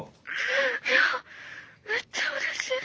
いやめっちゃうれしいです！